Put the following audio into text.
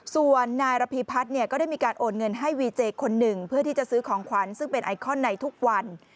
ส่วนนายระพีพัฒน์เนี่ยก็ได้มีการโอนเงินให้วีเจคนหนึ่งเพื่อที่จะซื้อของขวัญซึ่งเป็นไอคอนในทุกวัน